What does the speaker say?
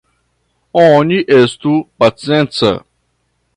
Oni estu pacienca!